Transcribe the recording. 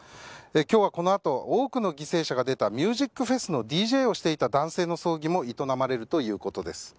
今日はこのあと多くの犠牲者が出たミュージックフェスのＤＪをしていた男性の葬儀も営まれるということです。